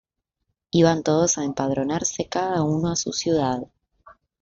Iban todos a emp"adronarse, cada uno a su ciudad.